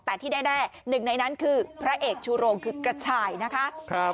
แต่ที่แน่หนึ่งในนั้นคือพระเอกชูโรงคือกระชายนะคะ